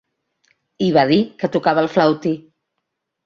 I va dir que tocava el flautí.